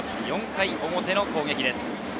４回表の攻撃です。